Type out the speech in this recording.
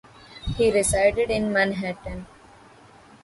He resided in Manhattan.